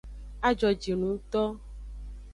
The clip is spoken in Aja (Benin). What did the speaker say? A jojinungto.